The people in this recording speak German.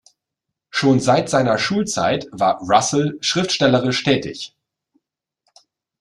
Schon seit seiner Schulzeit war Russell schriftstellerisch tätig.